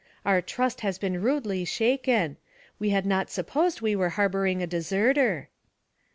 Our trust has been rudely shaken; we had not supposed we were harbouring a deserter.'